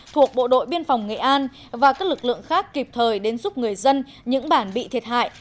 thuộc bộ đội biên phòng nghệ an và các lực lượng khác kịp thời đến giúp người dân những bản bị thiệt hại